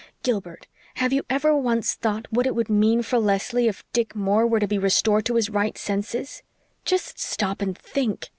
Gilbert, have you ever once thought what it would mean for Leslie if Dick Moore were to be restored to his right senses? Just stop and think!